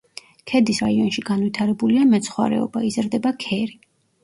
ქედის რაიონში განვითარებულია მეცხვარეობა, იზრდება ქერი.